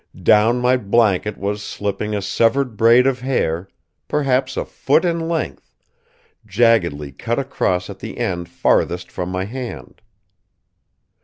Down my blanket was slipping a severed braid of hair, perhaps a foot in length, jaggedly cut across at the end farthest from my hand.